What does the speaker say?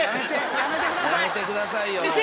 やめてくださいよ。